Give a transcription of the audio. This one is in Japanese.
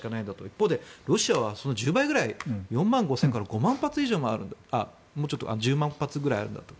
一方でロシアはその１０倍くらい４万５０００から５万発以上１０万発ぐらいあるんだと。